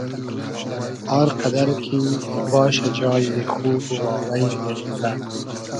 آر قئدئر کی باشۂ جایی خوب و واوݷ بې مئزۂ